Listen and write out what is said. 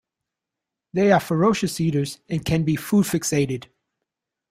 They are ferocious eaters and can be food fixated.